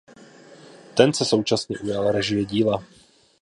Ten se současně ujal režie díla.